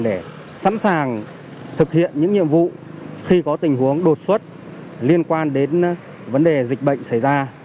để sẵn sàng thực hiện những nhiệm vụ khi có tình huống đột xuất liên quan đến vấn đề dịch bệnh xảy ra